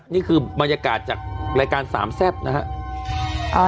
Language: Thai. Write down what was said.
นี่คือบรรยากาศจากรายการสามแซ่บนะฮะ